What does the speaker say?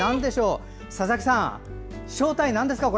佐々木さん、正体はなんですか？